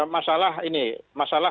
masalah ini masalah